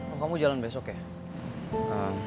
oh kamu jalan besok ya